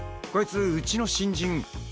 こいつうちの新人。